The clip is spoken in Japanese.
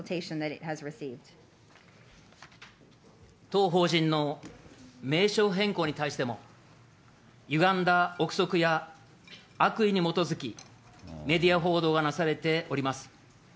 当法人の名称変更に対しても、ゆがんだ臆測や、悪意に基づき、メディア報道がなされております。